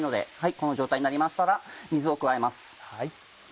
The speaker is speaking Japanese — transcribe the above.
この状態になりましたら水を加えます。